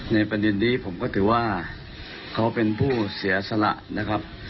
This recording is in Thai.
ในประเด็นนี้ผมก็ถือว่าเขาเป็นผู้เสียสละนะครับ